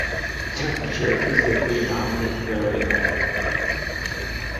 Temperature is the predominant variable.